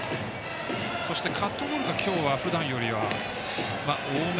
そして、カットボールが今日はふだんよりは多め。